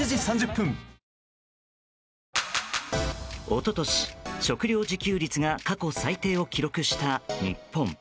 一昨年、食料自給率が過去最低を記録した日本。